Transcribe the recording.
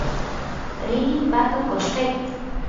rini paqa qoshqet